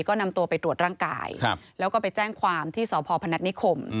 ก็นำตัวไปตรวจร่างกายแล้วก็ไปแจ้งความที่สพพนัฐนิคม